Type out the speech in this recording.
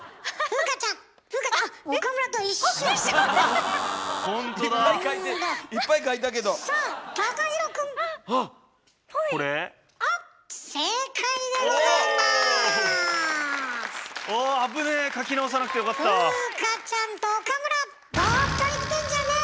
風花ちゃんと岡村！